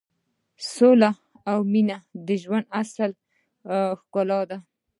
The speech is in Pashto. سوله او مینه د ژوند اصلي ښکلا ده.